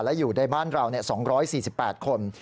และอยู่ในบ้านเรา๒๔๘คน